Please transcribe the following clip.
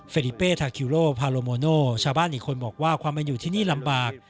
ริเป้ทาคิวโลพาโลโมโนชาวบ้านอีกคนบอกว่าความเป็นอยู่ที่นี่ลำบาก